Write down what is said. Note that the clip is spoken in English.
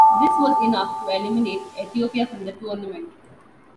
This was enough to eliminate Ethiopia from the tournament.